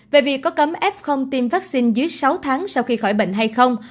về việc có cấm f tiêm vaccine dưới sáu tháng sau khi khỏi bệnh hay không